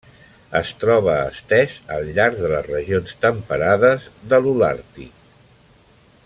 Es troba estès al llarg de les regions temperades de l'Holàrtic.